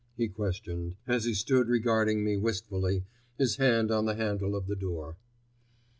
he questioned, as he stood regarding me wistfully, his hand on the handle of the door.